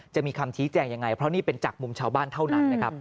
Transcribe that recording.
จะมีคำชี้แจงยังไงเพราะนี่เป็นจากมุมชาวบ้านเท่านั้นนะครับ